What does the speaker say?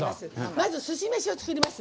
まず、すし飯を作ります。